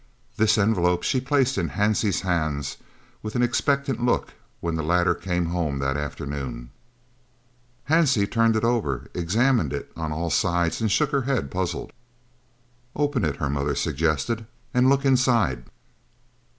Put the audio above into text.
This envelope she placed in Hansie's hands, with an expectant look, when the latter came home that afternoon. Hansie turned it over, examined it on all sides and shook her head, puzzled. "Open it," her mother suggested, "and look inside."